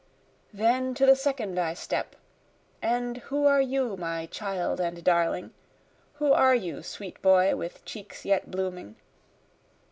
Then to the second I step and who are you my child and darling? Who are you sweet boy with cheeks yet blooming?